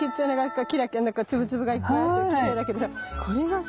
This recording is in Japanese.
キラキラ粒々がいっぱいあってきれいだけどさこれがさ。